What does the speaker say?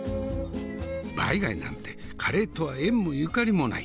バイ貝なんてカレーとは縁もゆかりもない。